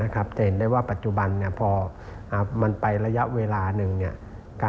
จะเห็นได้ว่าปัจจุบันพอมันไประยะเวลาหนึ่ง